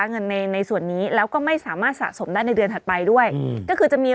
เงินในในส่วนนี้แล้วก็ไม่สามารถสะสมได้ในเดือนถัดไปด้วยก็คือจะมี